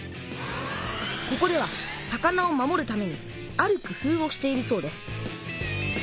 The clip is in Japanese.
ここでは魚を守るためにあるくふうをしているそうです。